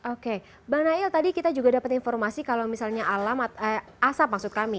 oke bang nail tadi kita juga dapat informasi kalau misalnya alamat asap maksud kami